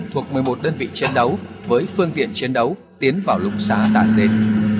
thuộc một mươi một đơn vị chiến đấu với phương tiện chiến đấu tiến vào lục xã tà dên